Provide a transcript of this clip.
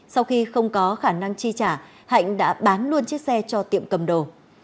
sau khi không có khả năng chi trả hạnh đã bán luôn chiếc xe cho tiệm cầm đồ